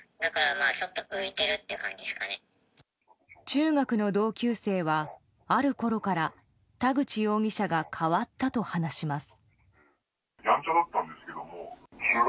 中学の同級生はあるころから田口容疑者が変わったと話します。